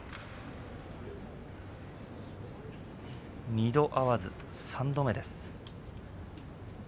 ２度合わず、３度目です。